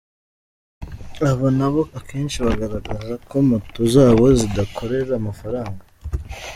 Aba nabo akenshi bagaragaza ko moto zabo zidakorera amafaranga.